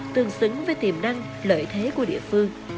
tương xứng với tiềm năng lợi thế của địa phương